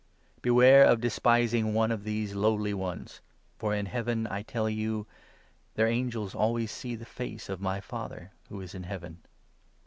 Beware of despising one of these lowly ones, for in Heaven, 10 I tell you, their angels always see the face of my Father who is in Heaven.